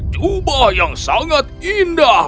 jubah yang sangat indah